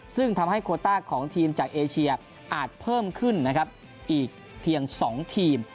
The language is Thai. ซึ่งทำให้โคต้าของทีมจากเอเชียอาจเพิ่มขึ้นนะครับอีกเพียง๒ทีม